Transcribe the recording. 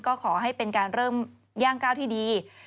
ก็ขอให้เป็นการเริ่มย่างก้าวที่ดี